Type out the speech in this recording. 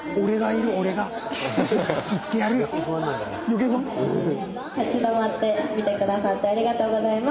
余計不安⁉立ち止まって見てくれてありがとうございます。